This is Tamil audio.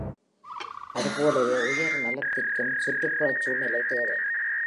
அதுபோலவே உயிர் நலத்திற்கும் சுற்றுப்புறச் சூழ்நிலை தேவை.